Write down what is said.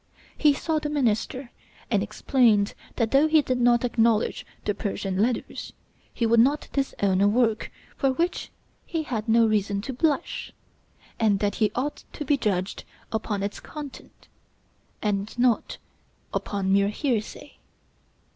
He saw the minister, and explained that though he did not acknowledge the 'Persian Letters,' he would not disown a work for which he had no reason to blush; and that he ought to be judged upon its contents, and not upon mere hearsay.